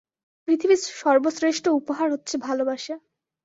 পৃথিবীর সর্বশ্রেষ্ঠ উপহার হচ্ছে ভালবাসা।